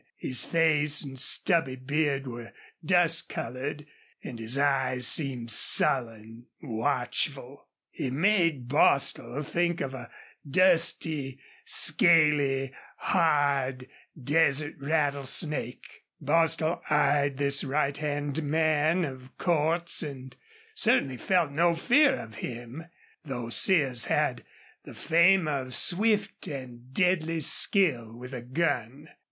His face and stubby beard were dust colored, and his eyes seemed sullen, watchful. He made Bostil think of a dusty, scaly, hard, desert rattlesnake. Bostil eyed this right hand man of Cordts's and certainly felt no fear of him, though Sears had the fame of swift and deadly skill with a gun.